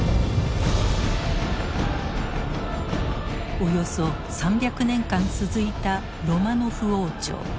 およそ３００年間続いたロマノフ王朝。